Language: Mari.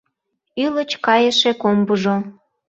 Ӱлыч кайыше комбыжо